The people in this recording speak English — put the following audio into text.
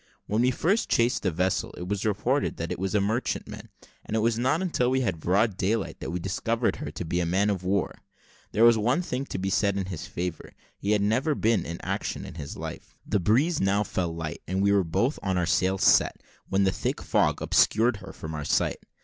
When we first chased the vessel, it was reported that it was a merchantman; and it was not until we had broad daylight that we discovered her to be a man of war. There was one thing to be said in his favour he had never been in action in his life. The breeze now fell light, and we were both with our sails set, when a thick fog obscured her from our sight.